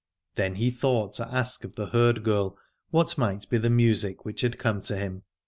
Then he thought to ask of the herd girl what might be the music which had come to him.